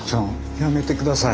やめてください！